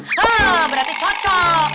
hah berarti cocok